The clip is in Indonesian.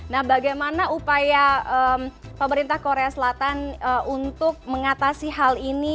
nah bagaimana upaya pemerintah korea selatan untuk mengatasi hal ini